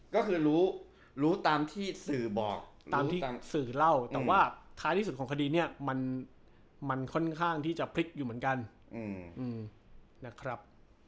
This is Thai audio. ก็คือรู้รู้ตามที่สื่อบอกตามที่สื่อเล่าแต่ว่าท้ายที่สุดของคดีนี้มันค่อนข้างที่จะพลิกอยู่เหมือนกันนะครับ